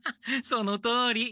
そのとおり！